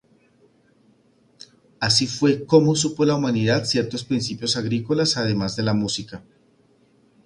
Así fue cómo supo la humanidad ciertos principios agrícolas, además de la música.